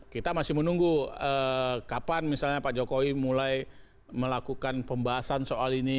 kita masih menunggu kapan misalnya pak jokowi mulai melakukan pembahasan soal ini